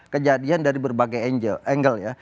kejadian dari berbagai angle ya